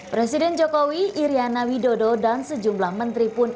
presiden jokowi iryana widodo dan sejumlah menteri pun